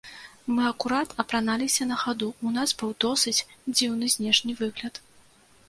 Мы акурат апраналіся на хаду, у нас быў досыць дзіўны знешні выгляд.